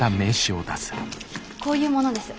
こういう者です。